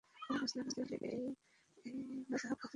বহু মুসলিম দেশে এই মাযহাব প্রচলিত।